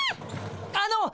あの！